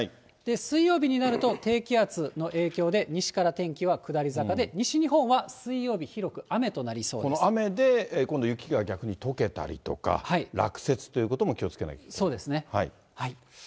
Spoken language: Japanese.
水曜日になると、低気圧の影響で、西から天気は下り坂で、西日本は水曜日、この雨で今度、雪が逆にとけたりとか、落雪ということも気をつけないといけない。